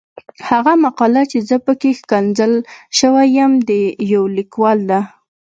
هغه مقاله چې زه پکې ښکنځل شوی یم د يو ليکوال ده.